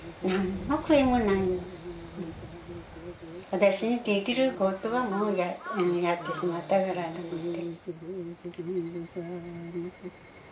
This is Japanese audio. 私にできることはもうやってしまったからと思って。